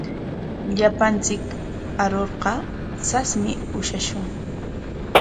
Llapanchik arurqa sasmi ushashun.